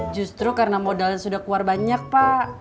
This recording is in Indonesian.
justru karena modalnya sudah keluar banyak pak